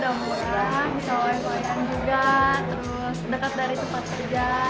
terus dekat dari tempat kerja